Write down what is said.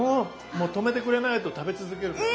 もう止めてくれないと食べ続けるかも。